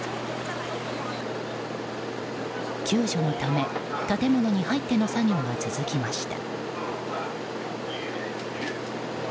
救助のため建物に入っての作業が続きました。